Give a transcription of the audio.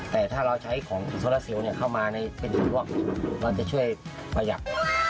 แต่ถ้าเราใช้ของโซลาซิลเข้ามาในเป็นส่วนล่วงเราจะช่วยพยับ